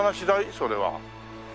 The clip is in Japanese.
それは。